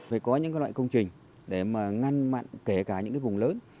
phải có những loại công trình để mà ngăn mặn kể cả những cái vùng lớn